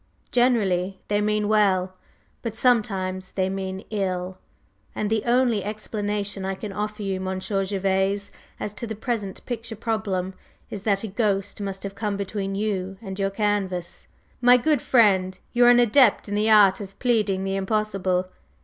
Generally they mean well, but sometimes they mean ill. And the only explanation I can offer you, Monsieur Gervase, as to the present picture problem is that a ghost must have come between you and your canvas!" Gervase laughed loudly. "My good friend, you are an adept in the art of pleading the impossible!